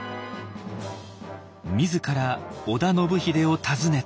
自ら織田信秀を訪ねて。